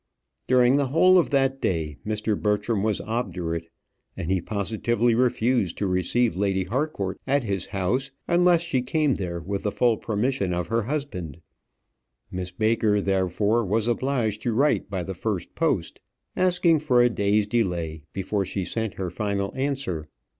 During the whole of that day, Mr. Bertram was obdurate; and he positively refused to receive Lady Harcourt at his house unless she came there with the full permission of her husband. Miss Baker, therefore, was obliged to write by the first post, asking for a day's delay before she sent her final answer.